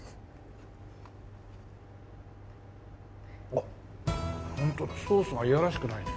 あっホントソースがいやらしくないね。